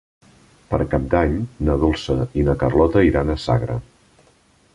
Per Cap d'Any na Dolça i na Carlota iran a Sagra.